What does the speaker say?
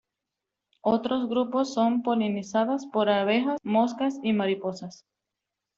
Otros grupos son polinizadas por abejas, moscas y mariposas.